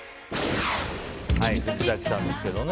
藤崎さんですけどね。